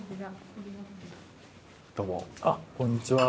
あっこんにちは。